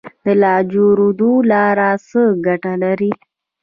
د لاجوردو لاره څه ګټه لري؟